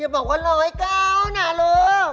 อย่าบอกว่ารอไอ้เก้าน่ะลูก